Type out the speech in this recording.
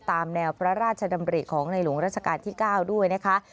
ตามแนวพระราชดำริของในหลวงราชการที่๙ด้วยนะคะ